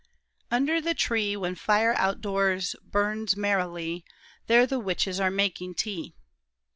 'Under the tree, When fire outdoors burns merrily, There the witches are making tea.'